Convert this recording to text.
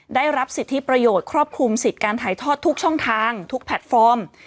ได้รับสิทธิประโยชน์ครอบคลุมสิทธิ์การถ่ายทอดทุกช่องทางทุกแพลตฟอร์ม